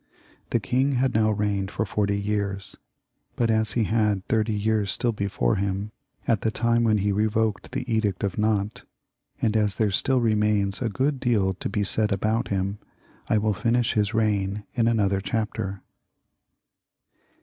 The king had now reigned for forty years ; but as he had thirty years stUl before him at the time when he re voked the Edict of Nantes, and as there stiU remains a good deal to be said about him, I will finish his reign in another chapter.